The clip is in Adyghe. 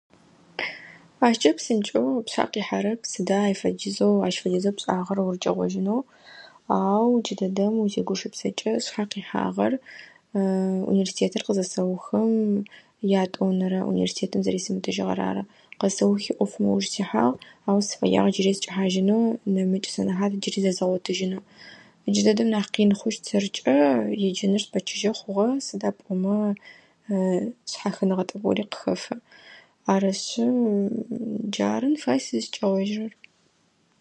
Ащкӏэ псынкӏэу пшъхьэ къихьэрэп сыда ай фэдизэу ащ фэдизэу пшӏагъэр урыкӏэгъожьынэу, ау джыдэдэм узегушыпсэкӏэ сшъхьэ къихьагъэр университетыр къызэсэухым ятӏонэрэ университетым зэресымытыжьыгъэр ары. Къэсэухи ӏофым ыуж сихьагъ, ау сыфэягъ джыри сыкӏэхьажьынэу нэмыкӏ сэнэхьат джыри зэзгъэгъотыжьынэу. Джыдэдэм нахь къин хъущт сэркӏэ еджэныр спэчыжьэ хъугъэ сыда пӏомэ шъхьахыныгъэ тӏэкӏу гори къыхэфэ. Арышъы джарын фай сызыкӏэгъожьырэр.